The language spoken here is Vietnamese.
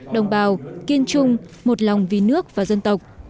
đồng bào kiên trung một lòng vì nước và dân tộc